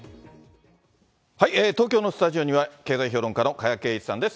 東京のスタジオには、経済評論家の加谷珪一さんです。